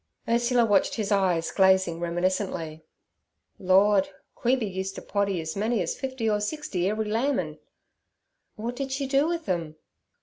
Ursula watched his eyes glazing reminiscently. 'Lord! Queeby used t' poddy ez many ez fifty or sixty every lambin'.' 'What did she do with them?'